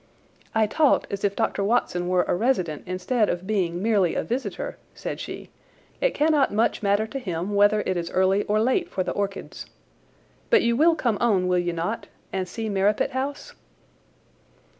"I talked as if Dr. Watson were a resident instead of being merely a visitor," said she. "It cannot much matter to him whether it is early or late for the orchids. But you will come on, will you not, and see Merripit House?"